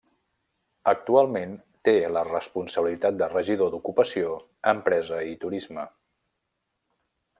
Actualment té la responsabilitat de regidor d'Ocupació, Empresa i Turisme.